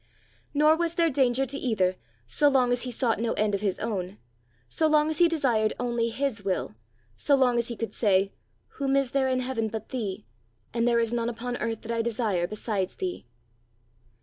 Nor was there danger to either so long as he sought no end of his own, so long as he desired only His will, so long as he could say, "Whom is there in heaven but thee! and there is none upon earth that I desire besides thee!"